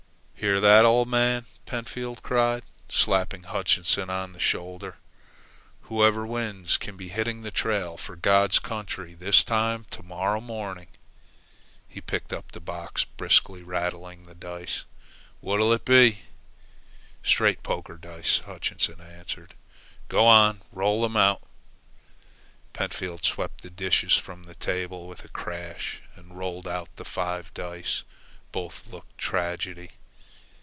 "Hear that, old man!" Pentfield cried, slapping Hutchinson on the shoulder. "Whoever wins can be hitting the trail for God's country this time tomorrow morning!" He picked up the box, briskly rattling the dice. "What'll it be?" "Straight poker dice," Hutchinson answered. "Go on and roll them out." Pentfield swept the dishes from the table with a crash and rolled out the five dice. Both looked tragedy.